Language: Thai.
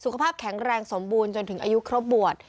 สุขภาพแข็งแรงสมบูรณ์จนถึงอายุครบบวช